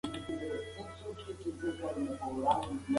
چمنونه مه خرابوئ.